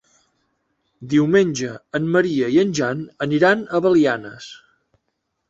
Diumenge en Maria i en Jan aniran a Belianes.